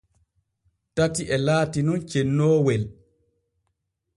Tati e laati nun cennoowel.